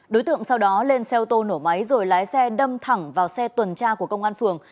đối tượng sau đó lên xe ô tô nổ máy rồi lái xe đâm thẳng vào xe tuần tra của công an phường